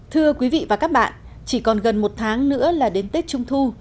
thưa quý vị và các bạn chỉ còn gần một tháng nữa là đến tết trung thu